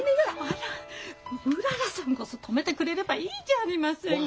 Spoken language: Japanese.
あらうららさんこそ止めてくれればいいじゃありませんか。